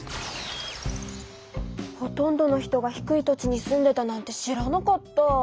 ほとんどの人が低い土地に住んでたなんて知らなかった。